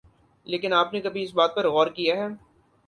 لیکن آپ نے کبھی اس بات پر غور کیا ہے